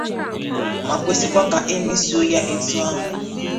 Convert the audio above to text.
ma kwesikwa ka e meso ya etu ahụ